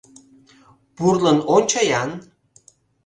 — Пурлын ончо-ян...